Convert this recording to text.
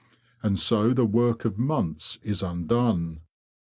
And so the work of months is undone."